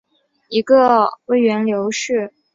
一个位元流是一个位元的序列。